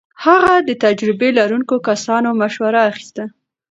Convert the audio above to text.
هغه د تجربه لرونکو کسانو مشوره اخيسته.